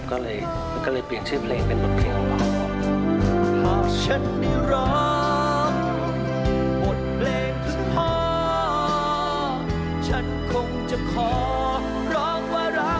ก็เลยเปลี่ยนชื่อเพลงเป็นบทเพลงออกมา